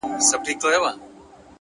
o اوس د چا پر پلونو پل نږدم بېرېږم ـ